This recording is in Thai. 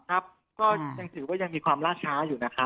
ก็ยังถือว่ายังมีความล่าช้าอยู่นะครับ